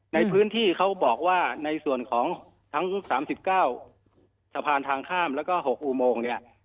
ในพื้นที่เขาบอกว่าในส่วนของทั้ง๓๙สะพานทางข้ามแล้วก็๖อุโมงเนี่ย